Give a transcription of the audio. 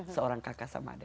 seorang kakak sama adik